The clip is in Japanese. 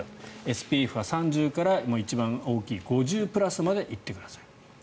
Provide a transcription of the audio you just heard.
ＳＰＦは３０から一番大きい５０プラスまで行ってください。